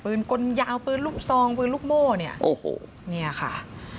กลยาวปืนลูกซองปืนลูกโม่เนี่ยโอ้โหเนี่ยค่ะ